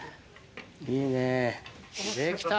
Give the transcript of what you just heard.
いいね。